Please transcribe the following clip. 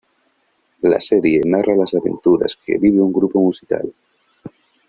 La serie narra las aventuras que vive un grupo musical.